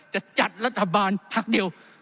จะจัดรัฐบาลภักดิ์เดียว